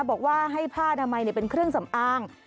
บอกว่าให้ผ้านามัยเป็นเครื่องสำอาง